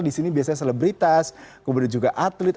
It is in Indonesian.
di sini biasanya selebritas kemudian juga atlet